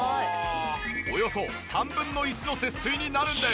およそ３分の１の節水になるんです。